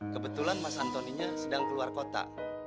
kebetulan mas antoninya sedang keluar kota